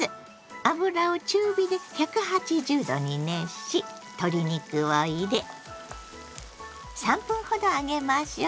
油を中火で１８０℃に熱し鶏肉を入れ３分ほど揚げましょう。